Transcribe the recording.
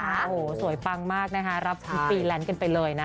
โอ้โหสวยปังมากนะคะรับฟรีแลนซ์กันไปเลยนะ